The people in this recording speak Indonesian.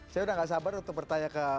saya udah gak sabar untuk bertanya ke